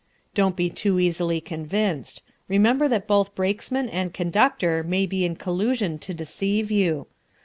Don't be too easily convinced. Remember that both brakesman and conductor may be in collusion to deceive you.